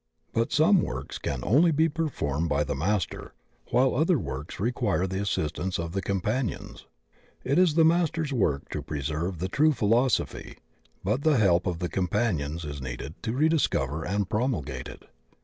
But some works can only be performed by the Master, while other works require the assistance of the companions. It is the Master's work to preserve the true philosophy, but the help of the companions is needed to rediscover and promulgate it.